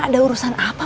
ada urusan apa pak